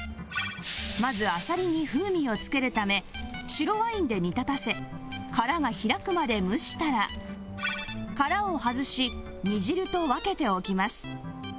まずあさりに風味を付けるため白ワインで煮立たせ殻が開くまで蒸したら殻を外し煮汁と分けておきます